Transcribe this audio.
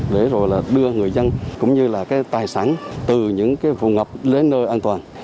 để rồi đưa người dân cũng như là cái tài sản từ những vùng ngập đến nơi an toàn